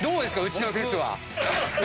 うちのフェス。